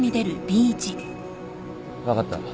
分かった。